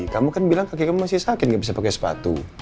kamu kan bilang kakek kamu masih sakit gak bisa pakai sepatu